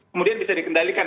kemudian bisa dikendalikan